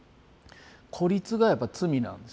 孤立がやっぱり罪なんです